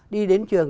đi đến trường